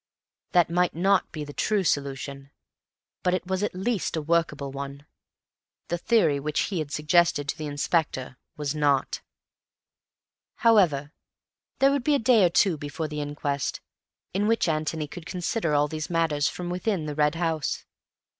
That might not be the true solution, but it was at least a workable one. The theory which he had suggested to the Inspector was not. However, there would be a day or two before the inquest, in which Antony could consider all these matters from within The Red House.